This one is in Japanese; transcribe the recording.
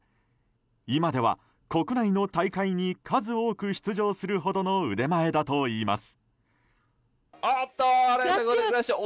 今では国内の大会に数多く出場するほどの腕前だといいます。